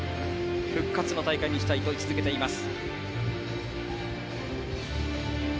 復活の大会にしたいと位置づけています。